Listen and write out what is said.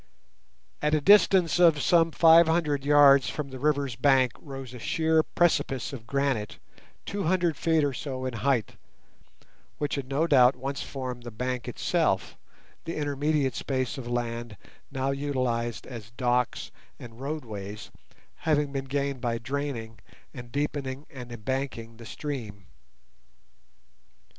At a distance of some five hundred yards from the river's bank rose a sheer precipice of granite, two hundred feet or so in height, which had no doubt once formed the bank itself—the intermediate space of land now utilized as docks and roadways having been gained by draining, and deepening and embanking the stream.